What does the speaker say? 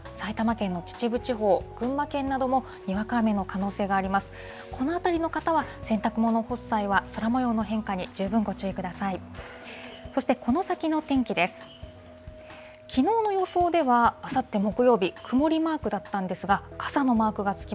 この辺りの方は洗濯物を干す際は、空もようの変化に十分ご注意ください。